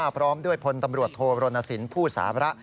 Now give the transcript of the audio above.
พร้อมด้วยผลตำรวจโทษภูมิโรนสินผู้สาระ